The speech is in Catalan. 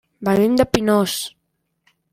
Venim de Pinós.